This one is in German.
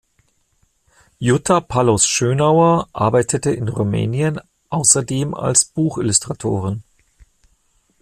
Jutta Pallos-Schönauer arbeitete in Rumänien außerdem als Buch-Illustratorin.